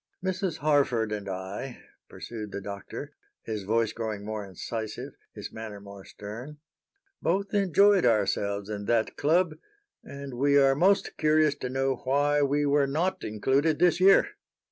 "Mrs. Harford and I," pursued the Doctor, his voice growing more incisive, his manner more stern, "both enjoyed ourselves in that club, and we are most curious to know why we were not included this year."